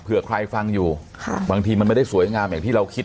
ใครฟังอยู่บางทีมันไม่ได้สวยงามอย่างที่เราคิด